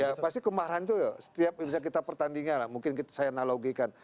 ya pasti kemarahan itu ya setiap misalnya kita pertandingan lah mungkin saya analogikan